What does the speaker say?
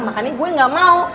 makanya gue gak mau